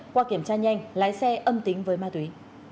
qua kiểm tra nhanh lái xe âm tính với ma túy